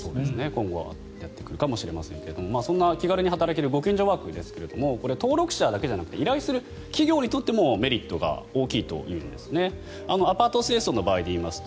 今後は入ってくるかもしれないですが気軽に働けるご近所ワークですが登録者だけじゃなくて依頼する企業にとってもメリットが大きいということなんですね。